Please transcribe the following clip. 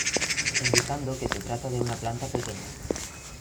Indicando que se trata de una planta pequeña.